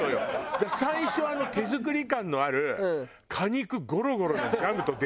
だから最初あの手作り感のある果肉ゴロゴロのジャムと出会った時。